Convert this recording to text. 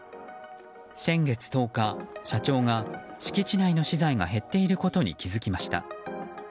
先月１０日社長が敷地内の資材が減っていることに気づきました。